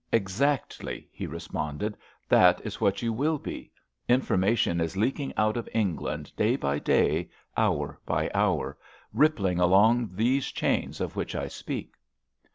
"Exactly," he responded; "that is what you will be. Information is leaking out of England day by day, hour by hour—rippling along these chains of which I speak."